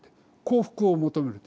幸福を求める。